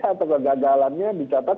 atau kegagalannya dicatat